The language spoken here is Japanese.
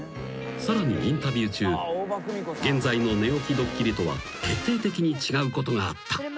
［さらにインタビュー中現在の寝起きドッキリとは決定的に違うことがあった］